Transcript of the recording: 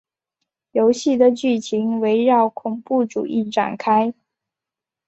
游戏的剧情围绕恐怖主义展开。